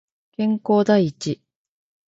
健康第一